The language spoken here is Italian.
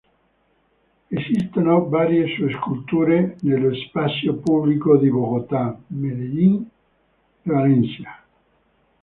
Esistono varie sue sculture nello spazio pubblico di Bogotá, Medellín e Valencia.